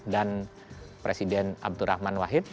dan presiden abdurrahman wahid